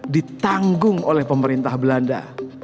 ditanggung oleh pemerintah belanda